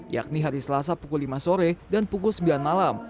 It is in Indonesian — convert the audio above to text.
yakni hari selasa pukul lima sore dan pukul sembilan malam